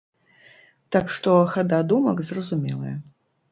Так што хада думак зразумелая.